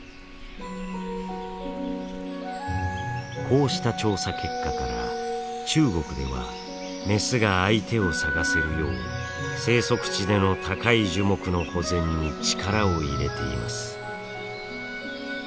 こうした調査結果から中国ではメスが相手を探せるよう生息地での高い樹木の保全に力を入れています。